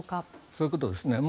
そういうことですね。